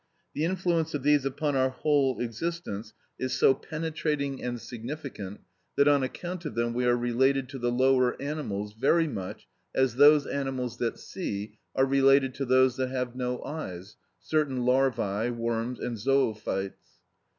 The influence of these upon our whole existence is so penetrating and significant that, on account of them, we are related to the lower animals very much as those animals that see are related to those that have no eyes (certain larvae, worms, and zoophytes).